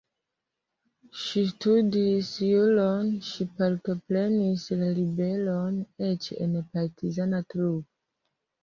Ŝi studis juron, ŝi partoprenis la ribelon, eĉ en partizana trupo.